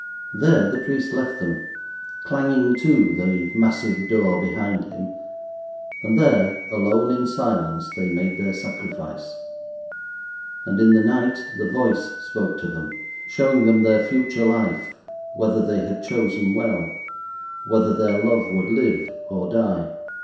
There the priest left them, clanging to the massive door behind him, and there, alone in silence, they made their sacrifice; and in the night the Voice spoke to them, showing them their future life—whether they had chosen well; whether their love would live or die.